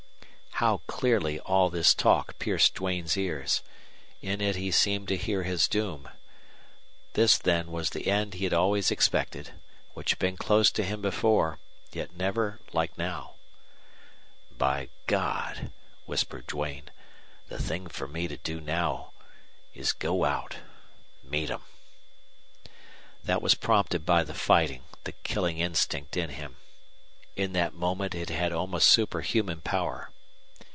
How clearly all this talk pierced Duane's ears! In it he seemed to hear his doom. This, then, was the end he had always expected, which had been close to him before, yet never like now. "By God!" whispered Duane, "the thing for me to do now is go out meet them!" That was prompted by the fighting, the killing instinct in him. In that moment it had almost superhuman power.